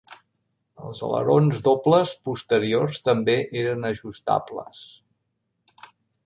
Els alerons dobles posteriors també eren ajustables.